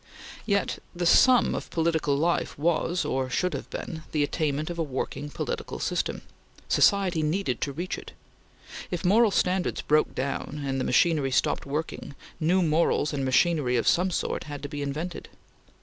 Yet the sum of political life was, or should have been, the attainment of a working political system. Society needed to reach it. If moral standards broke down, and machinery stopped working, new morals and machinery of some sort had to be invented.